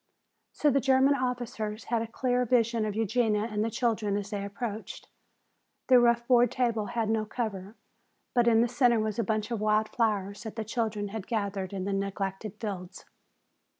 So the German soldiers had a clear vision of Eugenia and the children as they approached. The rough board table had no cover, but in the center was a bunch of wild flowers that the children had gathered in the neglected fields.